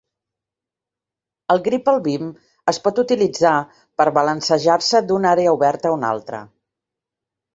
El "Grapple Beam" es pot utilitzar per balancejar-se d'una àrea oberta a una altra.